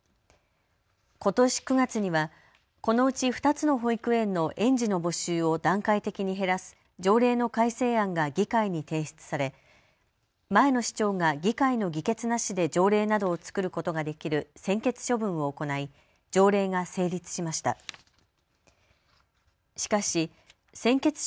ことし９月には、このうち２つの保育園の園児の募集を段階的に減らす条例の改正案が議会に提出され前の市長が議会の議決なしで条例などを作ることができる専決処分を行い条例が成立しました。